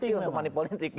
korupsi untuk money politik